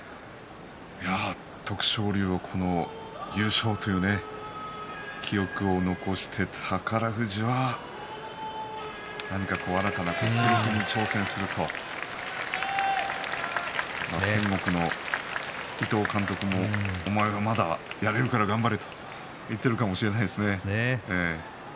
徳勝龍の優勝という記録を残して宝富士は何か新たな記録に挑戦すると天国の伊東監督もお前はまだやれるから頑張れと言っているかもしれないですね。